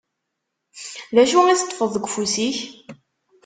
D acu i teṭṭfeḍ deg ufus-ik?